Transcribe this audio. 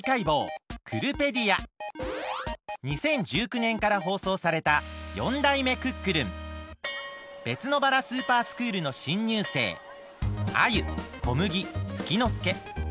２０１９年から放送されたべつのばらスーパースクールのしんにゅうせいアユコムギフキノスケ。